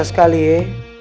rasanya ingin mengatakan